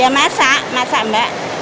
masak masak mbak